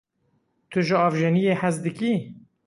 Tu ji avjeniyê hez dikî?